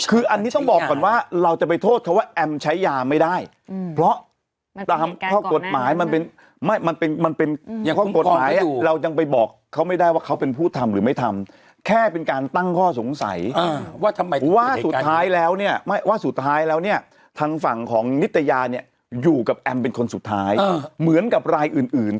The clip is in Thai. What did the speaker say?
คืออันนี้ต้องบอกก่อนว่าเราจะไปโทษเขาว่าแอมใช้ยาไม่ได้เพราะตามข้อกฎหมายมันเป็นไม่มันเป็นมันเป็นอย่างข้อกฎหมายเรายังไปบอกเขาไม่ได้ว่าเขาเป็นผู้ทำหรือไม่ทำแค่เป็นการตั้งข้อสงสัยว่าทำไมว่าสุดท้ายแล้วเนี่ยไม่ว่าสุดท้ายแล้วเนี่ยทางฝั่งของนิตยาเนี่ยอยู่กับแอมเป็นคนสุดท้ายเหมือนกับรายอื่นอื่น